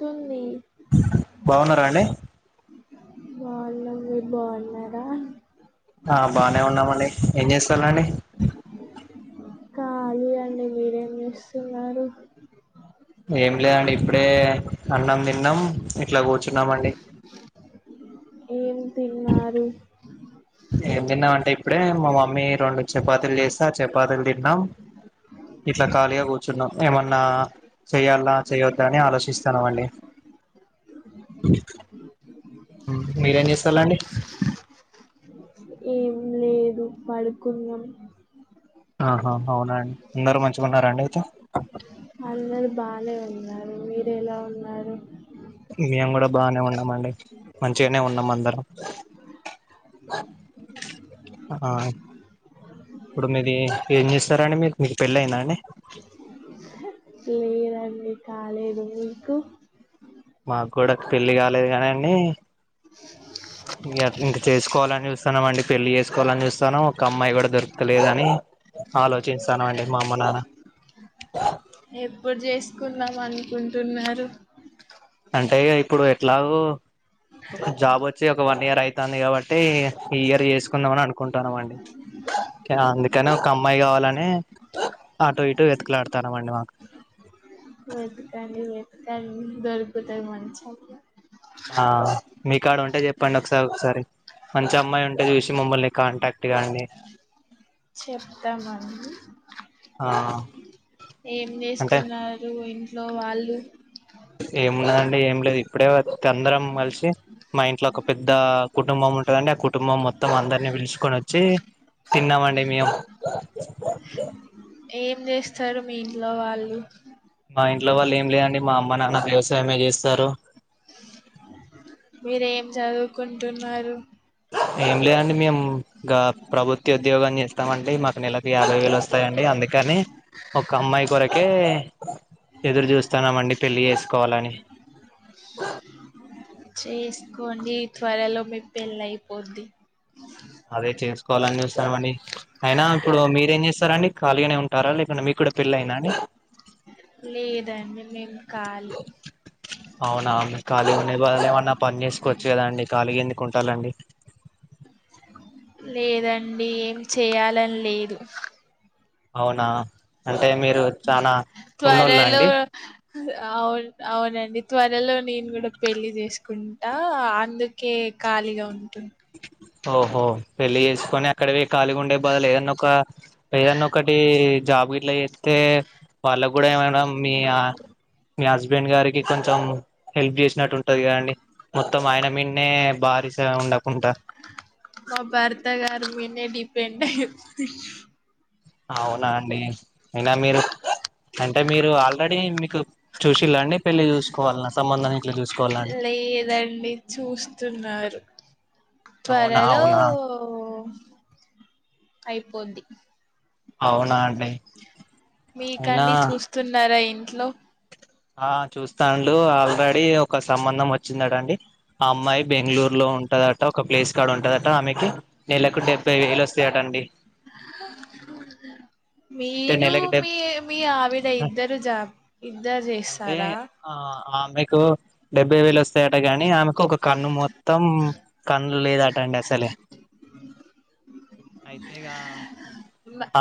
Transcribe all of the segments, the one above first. తుంది బాగున్నారా అండి బాగున్నాం మీరు బాగున్నారా ఆ బానే ఉన్నామండి ఏం చేస్తాలండి ఖాళీ అండి మీరేం చేస్తున్నారు ఏం లేదండి ఇప్పుడే అన్నం తిన్నాం ఇట్లా కూర్చున్నామండి ఏం తిన్నారు ఏం తిన్నావంటే ఇప్పుడే మా మమ్మీ రెండు చపాతీలు చేస్తే ఆ చపాతీలు తిన్నాం ఇట్లా ఖాళీగా కూర్చున్నాం ఏమన్నా చెయ్యాలా చేయొద్దా అని ఆలోచిస్తాన్నాం అండి మీరేం చేస్తాలండి ఏం లేదు పడుకున్నాం ఆహా అవునండి అందరు మంచిగున్నారండి అయితే అందరు బానే ఉన్నారు మీరు ఎలా ఉన్నారు మేము కూడా బానే ఉన్నామ అండి మంచిగనే ఉన్నాం అందరం ఆ ఇప్పుడు మీది ఏం చేస్తారాండి మీరు మీకు పెళ్ళి అయిందా అండి లేదండి కాలేదు మీకు మాకు కూడా పెళ్లి కాలేదు కానిండి ఇ ఇంక చేసుకోవాలని చూస్తున్నాం అండి పెళ్లి చేసుకోవాలని చూస్తానా ఒక అమ్మాయి కూడా దొరకలేదని ఆలోచిస్తానమండి మా అమ్మ నాన్న ఎప్పుడు చేసుకుందాం అనుకుంటున్నారు అంటే ఇగ ఇప్పుడు ఎట్లాగో జాబ్ వచ్చి ఒక వన్ ఇయర్ అయితాంది కాబట్టి ఈ ఇయర్ చేసుకుందాం అని అనుకుంటన్నాం అండి అందుకనే ఒక అమ్మాయి కావాలనే అటో ఇటో వెతుకులాడుతానమండి మాకు వెతుకండి వెతుకండి దొరుకుతాయి మంచి ఆ మీ కాడ ఉంటే చెప్పండి ఒకసారి ఒకసారి మంచి అమ్మాయి ఉంటే చూసి మమ్మల్ని కాంటాక్ట్ కాండి చెప్తామండి ఆ ఏం అంటే చేస్తున్నారు ఇంట్లో వాళ్ళు ఏముండదండి ఏం లేదు ఇప్పుడే అందరం కలిసి మా ఇంట్లో ఒక పెద్ద కుటుంబం ఉంటు ఎదంటే ఆ కుటుంబం మొత్తం అందరినీ పిలుసుకొని వచ్చి తిన్నామండి మేము ఏం చేస్తారు మీ ఇంట్లో వాళ్ళు మా ఇంట్లో వాళ్ళు ఏం లేదండి మా అమ్మ నాన్న వ్యవసాయమే చేస్తారు మీరు ఏం చదువుకుంటున్నారు ఏం లేదండి మేం గా ప్రభుత్వ ఉద్యోగం చేస్తాం అండి మాకు నెలకి యాభై వేలు వస్తాయండి అందుకని ఒక అమ్మాయి కొరకే ఎదురు చూస్తున్నామండి పెళ్లి చేసుకోవాలని అ చేసుకోండి త్వరలో మీ పెళ్ళి అయిపోద్ది అదే చేసుకోవాలని చూస్తానమండి అయినా ఇప్పుడు మీరేం చేస్తారా అండి ఖాళీగానే ఉంటారా లేకుంటే మీకు కూడా పెళ్ళ అయిందా అండి లేదండి మేం కాలి అవునావును ఖాళీ ఉండే బదులు ఏమన్నా పని చేసుకోవచ్చు కదా అండి ఖాళీ ఎందుకు ఉంటాలండి లేదండి ఏం చేయాలని లేదు అవునా అంటే మీరు చనా త్వరలో అవును అవునండి త్వరలో నేను కూడా పెళ్లి చేసుకుంటా అందుకే ఖాళీగా ఉంటుంది ఓహో పెళ్లి చేసుకొని అక్కడవి ఖళీగా ఉండే బదులు ఏదన్న ఒక ఏదన్న ఒకటి జాబ్ గట్లా చేత్తే వాళ్ళకు గూడా ఏమడం మీ మీ హస్బెండ్ గారికి కొంచెం హెల్ప్ చేసినట్టు ఉంటది కదండి మొత్తం ఆయన మీన్నే బారిస ఉండ మా భర్త గారి మీనే డిపెండ్యిపో అవునా అండి అయినా మీరు అంటే మీరు ఆల్రెడీ మీకు చూసిళండి పెళ్ళి చూసుకోవాలన్న సంబంధాన్ని గిట్ల చూసుకోవాలండి లేదండి చూస్తున్నారు అవునా త్వరలో అవునా అయిపోంది అవునండి మీకండి చూస్తున్నారా ఇంట్లో ఆ చూస్తాండు ఆల్రెడీ ఒక సంబంధం వచ్చిందాటండి ఆ అమ్మాయి బెంగళూరులో ఉంటదట ఒక ప్లేస్ కాడ ఉంటదట ఆమెకి నెలకు డెబ్బై వేలు వస్తాయట అండి అయితే మీరు నెలకు డెబ్ మీ మీ ఆవిడ ఇద్దరు జ ఇద్దరు అంటే చేస్తారా ఆ మీకు డెబ్బై వేలు వస్త వస్తాయట కాగాని ఆమెకు ఒక కన్ను మొత్తం కన్ను లేదటండి అసలే అయితే ఇగా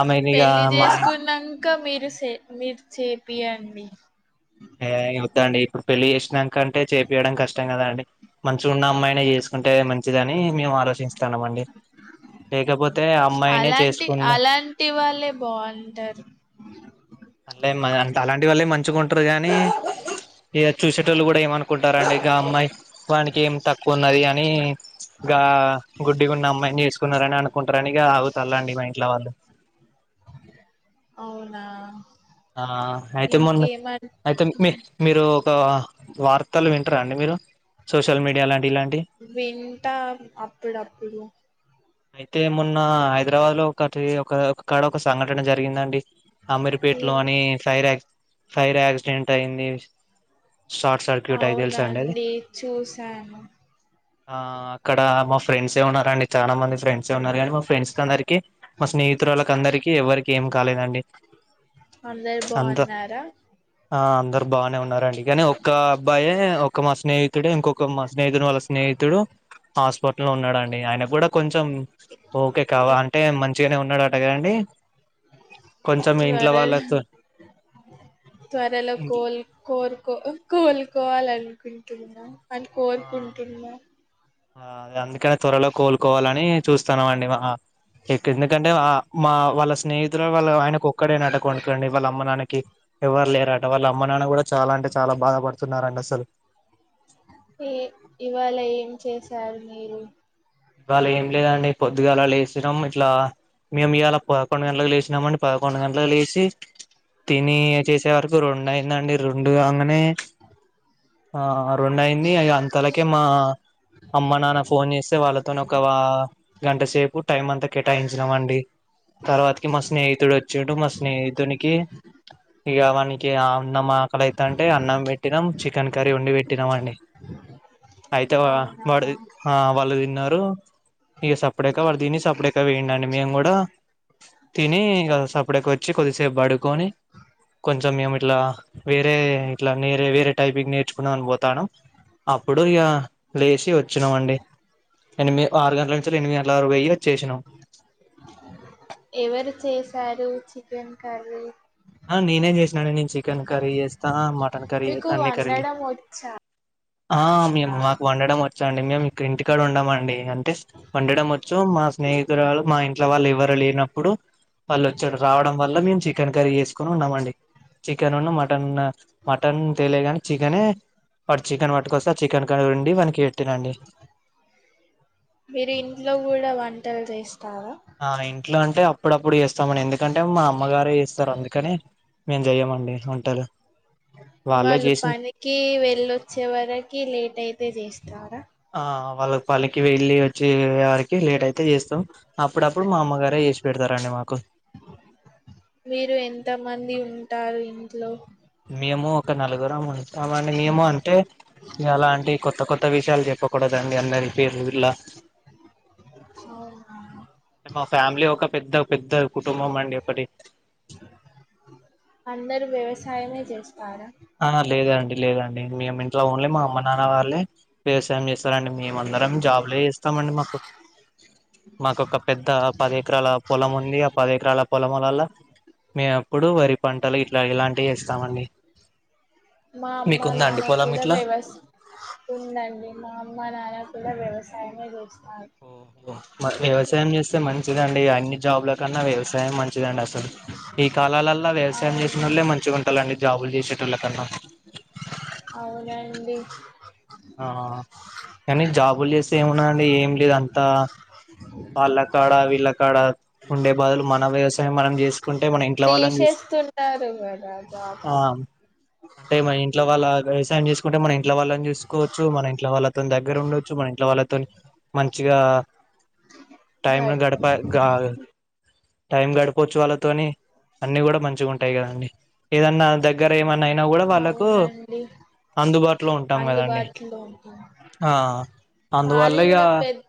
ఆమెలిగా పెళ్లి చేసుకున్నాక మీరు స మీరు చేపియండి ఏ అవుద్దాండి ఇప్పుడు పెళ్ళి చేసినాకంటే చేపయడం కష్టం కదా అండి మంచిగా ఉన్న అమ్మాయినే చేసు అంటే మంచిదని మేము ఆలోచిస్తాన్నాం అండి లేకపోతే అమ్మాయినే అలాంటి చేసుకుందాం అలాంటి వాళ్ళే బాగుంటారు అంటే అ అలాంటి వాళ్ళే మంచిగా ఉంటారు గానీ ఇ చూసేటోళ్ళు కూడా ఏమనుకుంటారండి ఇక అమ్మాయి వానికి ఏం తక్కువ ఉన్నది అని ఇ గుడ్డి గున్న అమ్మాయిని చేసుకున్నారని అను కుంటారనిగా ఆవుతల్లండి మా ఇంట్లో వాళ్ళు అవునా ఆ అయితే మొన్న ఇంకేమ అయితే మీ మీరు ఒక వార్తలు వి అండి మీరు సోషల్ మీడియా లాంటి ఇలాంటి వింటా అప్పుడప్పుడు అయితే మొన్న హైదరాబాద్ లో ఒకటి ఒక ఒకక్కడ ఒక సంఘటన జరిగిందండి ఏం ఇంట్లోని అని ఫైర్ క్ ఫైర్ యాక్సిడెంట్ అయింది షార్ట్ సర్క్యూట్ అయి తెలుసా అండి అది అవునండి చూసాను ఆ అక్కడ మా ఫ్రెండ్స్ ఏ ఉన్నారుారండి చాలా మంది ఫ్రెండ్స్ ఏ ఉన్నారు కానీ మా ఫ్రెండ్స్ కందరికి మా స్నేహితురాలు అందరికీ ఎవరికి ఏం కాలేదండి అందరు అంత బాగున్నారా ఆ అందరు బాగానే ఉన్నారండి కాని ఒక్క అబ్బాయి ఒక మా స్నేహితుడు ఇంకొక మా స్నేహితుడు వాళ్ళ స్నేహితుడు హాస్పట లో ఉన్నాడండి ఆయన కూడా కొంచెం ఓకే కావా అంటే మంచిగానే ఉన్నాడు అటగదండి కొంచెం ఎన్ త్వర త్వరలో ఇంట్ కోల్ కో కో కోల్ కో కోవాల అనుకుంటున్నా అని కోరుకుంటున్నా అందుకని త్వరలో కోలుకోవాలని చూస్తున్నాం అండి ఎందుకంటే మా వాళ్ళ స్నేహితులు వాళ్ళ ఆయనకు ఒక్కడంటా కొడుకండి వాళ్ళ అమ్మ నాకి ఎవరు లేరట వాళ్ళ అమ్మ నాన్న కూడా చాలా అంటే చాలా బాధపడుతున్నారు అసలు ఏ ఇవాళ ఏం చేసారు మీరు ఇవాళ ఏం లేదండి పొద్దిగాలా లేసినాం ఇట్లా మేము ఇవాలా పదకొండు గంటలు లేచినామని పదకొండు గంటలు లేచి తిని చేసే వరకు రెండు అయిందండి రెండు కంగానే ఆ రెండు ఆఇంది ఇగ అంతలకే మా అమ్మ నాన్న ఫోన్ చేస్తె వాళ్ళక్ తోని ఒక వ గంట సేపు టైం అంతా కేటాయించినామండి తర్వాతకి మా స్నేహితుడు వచ్చిండు మా స్నేహితుడికి ఇగ మనకి అన్నం ఆకలయితంటే అన్నం పెట్టినం చికెన్ కర్రీ ఓండి పెట్టినమండి అయితే వా అవునా వాడు ఆ వాళ్ళు తిన్నారు ఇగ సప్పుడేకా వాడ్ తిని సప్పుడేకా పొఇండండి మేము కూడా తిని ఇగ సప్పుడేకోచ్చి కొద్దిసేపు పడుకొని కొంచం మేము ఇట్లా వేరే ఇట్లా నేరే వేరే టైపింగ్ నేర్చుకున్నాందుకు పోతానం అప్పుడు ఇగ లేచి వచ్చినమండి ఎనిమిది ఆరు గంటల నుంచి ఎనిమిది గంటల వరకు పోయి వచ్చేసినాం ఎవరు చేసారు చికెన్ కర్రీ ఆ నేనే చేసినండి నేను చికెన్ కర్రీ చేేస్తా మ టన్ కర్రీ మీకు చేత్ అన్ని కరీలు వండడం వచ్చా ఆ మేము మాకు వండడం వచ్చండి మేము ఇంటికడుండమండి అంటే వండడం వచ్చు మా స్నే హితురాలు మా ఇంట్లో వాళ్ళు ఎవరు లేనప్పుడు వాళ్ళు వచ్చారు రావడం వల్ల మేము చికెన్ కర్రీ చెస్ కుని ఉన్నామండి చికెన్ ఉన్ను మటన్ మటన్ తెలేగాని చికెనే వాడు చికెన్ పట్టుకొస్తె ఆ చికెన్ కర్రి వండి వాడికి పెట్టినండి మీరు ఇంట్లో కూడా వంటలు చేస్తావా ఆ ఇంట్లో అంటే అప్పుడప్పుడు చేస్తామని ఎందుకంటే మా అమ్మగారే చేస్తారు అందుకనే మేం చెయ్యమండి వంటలు వాళ్ళే వాళ్ళు చేసి పనికి వెళ్ళొచ్చే వరకి లేట్ అయితే చేస్తారా ఆ వాళ్ళకు పనికి వెళ్ళి వచ్చి వరికి లేట్ అయితే చేస్తాం అప్పుడప్పుడు మా అమ్మగారే చేసి పెడుతారండి మాకు మీీరు ఎంత మంది ఉంటారు ఇంట్లో మేము ఒక నలుగురము ఉంటాం అని మేము అంటే ఎలంటి కొత్త కొత్త విషయాలు చెప్పకూడదండి అందర్కి ఉర్లా అవునా, అంటే మా ఫ్యామిలీ ఒక పెద్ద పెద్ద కుటుంబమండి ఒకటి సాయమే చేస్తారా ఆ లేదండి లేదండి మేము ఇంట్లో ఓన్లీ మా అమ్మ నాన్న వాళ్ళే వ్యవసాయం చేస్ ార అండి మేము అందరం జాబ్ులే ఇస్తామండి మాకు మాకు ఒక పెద్ద పది ఎకరాల పొలం ఉంది ఆ పది ఎకరాల పొలము వల్ల. మేము అప్పుడు వరి పంటలు ఇట్లా ఇలాంటివి చేస్తామండి. మా అమ్మ మీకుందా అండి నాన్న పొలం కూడా ఇట్లా వ్యవస్ ఉందండి మా అమ్మ నాన్న కూడా వ్యవసాయం. ఓహో మరి వ్యవసాయం చేస్తే మంచిదండి అన్ని జాబ్లో కన్నా వ్యవసాయం మంచి. మంచిదండి అసలు ఈ కాలాలల్లో వ్యవసాయం అవును చేసినోళ్ళే మంచిగా ఉంటాలండి జాబులు చేసేటోళ్ళ కన్నా. అవునండి. ఆహ్ కానీ జాబులు చేస్తే ఏమున్నాదండి ఏం లేదు అంతా. వాళ్ళకాడ వీళ్ళ కాడ ఉండే బాధలు మన వ్యవసాయం మనం చేసుకు వుంటే మనం ఇంట్లో వాళ్ళని చూస్ తీసేస్తున్నారు కదా జాబ్స్ ఆహ్ అంటే మాన ఇంట్లో వాళ్ళా. వ్యవసాయం చేసుకుంటే మన ఇంట్లో వాళ్ళని చూసుకోవచ్చు మన ఇంట్లో వాళ్ళతోని దగ్గర ఉండోచ్చు మన ఇంట్లో వాళ్ళతోని. మంచిగా. టైమ్ గ గడపా గా. టైం గడపవచ్చు వాళ్ళతోని అన్ని కూడా మంచిగా ఉంటాయి కదా అండి ఏదన్నా దగ్గర ఏమన్నా అయినా కూడా వాళ్ళకు అవునండి అందుబాటులో ఉంటాం కదండి అందుబాటులో ఉంటుంది ఆ అందువల్ల మాది ఇగా కూడా పెద్ద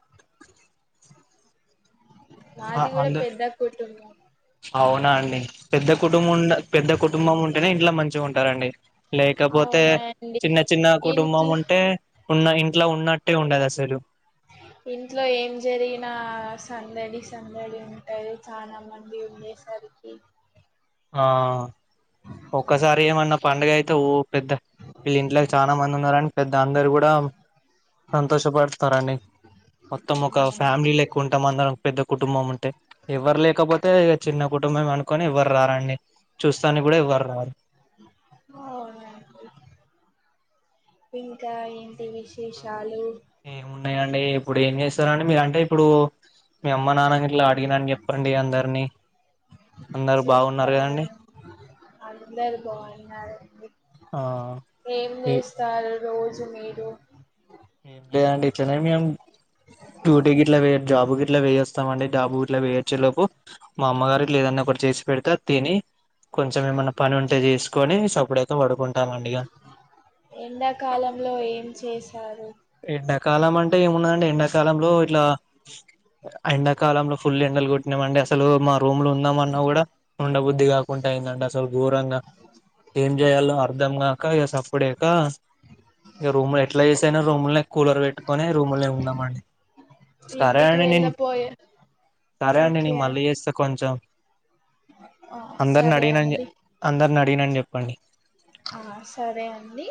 నాది కూడా అందు పెద్ద కుటుంబం అవునా అండి పెద్ద కుటుంబం ఉ పెద్ద కుటుంబం ఉంటేనే ఇంట్లో మంచిగా ఉంటారండి లేకపోతే తే అవునండి చిన్న చిన్న కుటుంబం ఇంట్లో ఉంటే ఉన్న ఇంట్లో ఉన్నట్టే ఉండదు అసలు ఇంట్లో ఏం జరిగినా సందడి సందడి ఉంటది చాలా మంది ఉండేసారు క ఆ ఒక్కసారి ఏమన్నా పండుగ అయితే ఊ పెద్ద వీళ్ళ ఇంట్లోకి చాలా మంది ఉన్నారు అని పెద్ద అందరు కూడా సంతోషపడతారని మొత్తం ఒక ఫ్యామిలీ అవునండి ఎక్కువ ఉంటాం అందరం ఒక పెద్ద కుటుంబం ఉంటే ఎవ్వరు లేకపోతే చిన్న కు కుటుంబం అనుకొని ఎవ్వరు రారండి చూస్తాని కూడా ఎవ్వరురారు అవునండి ఇంకా ఏంటి విశేషాలు అండి ఇప్పుడు ఏం చేస్తారండి మీరు అంటే ఇప్పుడు మీ అమ్మ నాన్న గట్లా అడిగినానని చెప్పండి అందరినీ అందరు బాగున్నారు చెప్తాను కదండి అందరు బాగున్నారు అండి ఆ ఏం చేస్తారు రోజు మీరు ఏం లేదండి ఇట్లనే మేము డ్యూటీకి ఇట్లా వే జాబుకి ఇట్లా పోయాస్తామండి జాబు ఇట్లా వేయిచ్చేలోపు మా అమ్మగారి లేదన్నా ఒకటి చేసి పెడితే తిని కొంచెం ఏమన్నా పని ఉంటే చేసుకొని సప్పుడ అయితే పడుకుంట ఎండాకాలంలో ఏం చేశారు ఎండాకాలం అంటే ఏముందండి ఎండాకాలంలో ఇట్లా ఎండాకాలంలో ఫుల్ ఎండలు కొట్టినామండి అసలు మా రూమ్లో ఉందామ అన్నా కూడా ఉండబుద్ది కాకుండా అయిందంట అసలు ఘోరంగా ఏం జేయాలో అర్ధం కాక ఇగ సప్పుడక రూమ్ ఎట్లాచేశాను రూమ్నే కూలర్ పెట్టుకొని రూమ్ లే ఉన్నామండి సరే ఇంటికి అండి నేను వెళ్ళపోయే సరే అండి ఓకే నేను మళ్ళీ చేస్తా కొంచెం అందర్ని సరే అడిగినని అండి అందరని అడిగినని చెప్పండి ఆ సరే అండి